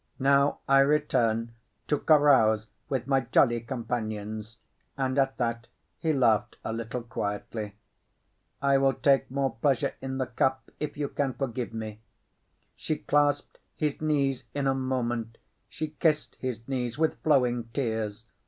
Now I return to carouse with my jolly companions," and at that he laughed a little quietly. "I will take more pleasure in the cup if you forgive me." She clasped his knees in a moment; she kissed his knees with flowing tears.